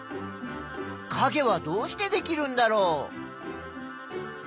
かげはどうしてできるんだろう？